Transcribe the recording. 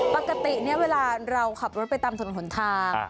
ปกติเวลาเราขับรถไปตามถนนหนทาง